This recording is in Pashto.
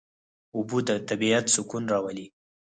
اوبه د طبیعت سکون راولي.